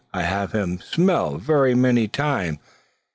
I have him smell, ver many time.